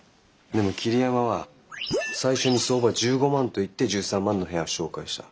でも桐山は最初に相場１５万と言って１３万の部屋を紹介した。